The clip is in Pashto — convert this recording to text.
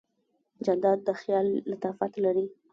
جانداد د خیال لطافت لري.